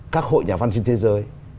các hội nhà văn trên thế giới